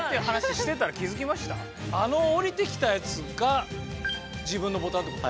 あの降りてきたやつが自分のボタンてこと？